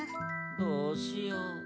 どうしよう。